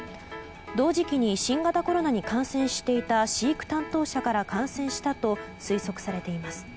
同時期に新型コロナに感染していた飼育担当者から感染したと推測されています。